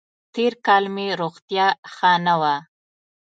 تېر کال مې روغتیا ښه نه وه